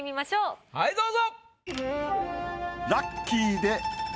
はいどうぞ！